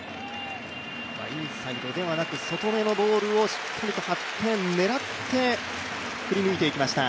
インサイドではなく外めのボールを狙って、振り抜いていきました。